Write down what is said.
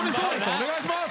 お願いします！